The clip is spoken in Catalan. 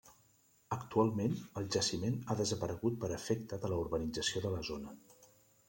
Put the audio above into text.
Actualment, el jaciment ha desaparegut per efecte de la urbanització de la zona.